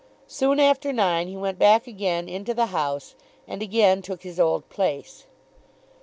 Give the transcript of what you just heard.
Soon after nine he went back again into the House, and again took his old place.